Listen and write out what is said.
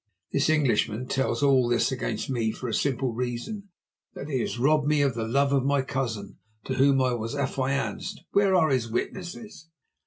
This Englishman tells all this against me for a simple reason—that he has robbed me of the love of my cousin, to whom I was affianced. Where are his witnesses?"